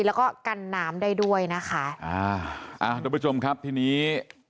แล้วก็กันน้ำได้ด้วยนะคะอ่าครับที่นี้